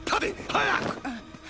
早く！